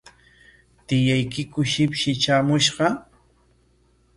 ¿Tiyaykiku shipshi traamushqa?